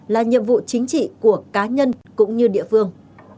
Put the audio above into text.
là nhiệm vụ chính trị của cá nhân cũng như địa phương